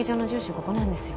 ここなんですよ